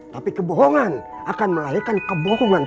tapi kebohongan akan melahirkan kebohongan